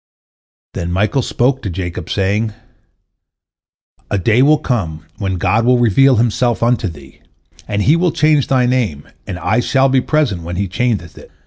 Then Michael spoke to Jacob, saying: "A day will come when God will reveal Himself unto thee, and He will change thy name, and I shall be present when He changeth it.